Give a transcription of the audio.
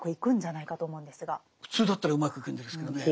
普通だったらうまくいくんですけどね